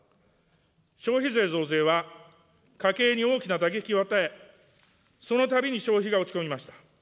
消費税増税は、家計に大きな打撃を与え、そのたびに消費が落ち込みました。